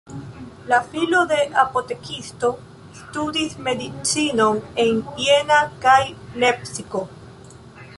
La filo de apotekisto studis medicinon en Jena kaj Lepsiko.